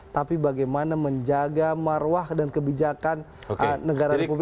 tapi bagaimana menjaga marwah dan kebijakan negara republik